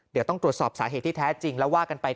เดี๋ยวต้องตรวจสอบสาเหตุที่แท้จริงแล้วว่ากันไป